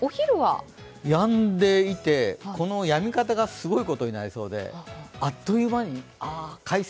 やんでいて、このやみ方がすごいことになりそうであっという間に快晴！